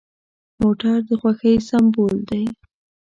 موټر د خوښۍ سمبول دی.